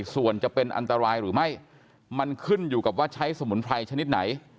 ส่วนจะเป็นอันตรายหรือไม่มันขึ้นอยู่กับว่าใช้สมุนไพรชนิดไหน